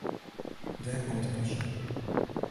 Dêr komt de plysje.